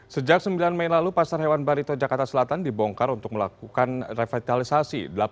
sejak sembilan mei lalu pasar hewan barito jakarta selatan dibongkar untuk melakukan revitalisasi